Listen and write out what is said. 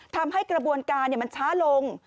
ทำให้กระบวนการมันช้าลง